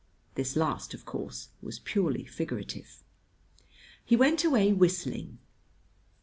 This last, of course, was purely figurative. He went away whistling.